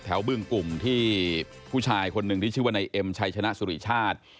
บึงกลุ่มที่ผู้ชายคนหนึ่งที่ชื่อว่านายเอ็มชัยชนะสุริชาติ